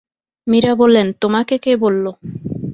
মীরা বললেন, তোমাকে কে বলল?